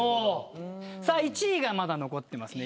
さあ１位がまだ残ってますね。